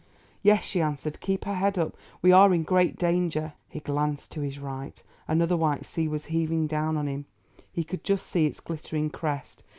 "Yes," she answered, "keep her head up. We are in great danger." He glanced to his right; another white sea was heaving down on him; he could just see its glittering crest.